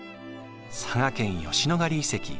佐賀県吉野ヶ里遺跡。